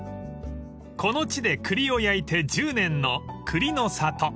［この地で栗を焼いて１０年の］